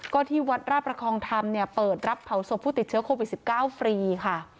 ก็ที่วัดราบประคองธรรมเนี่ยเปิดรับเผาศพผู้ติดเชื้อโควิด๑๙ฟรีค่ะ